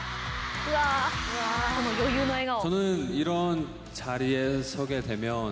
うわこの余裕の笑顔。